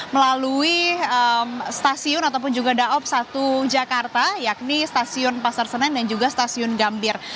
melalui stasiun ataupun juga daob satu jakarta yakni stasiun pasar senen dan juga stasiun gambir